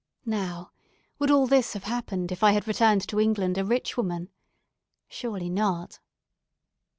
Now, would all this have happened if I had returned to England a rich woman? Surely not.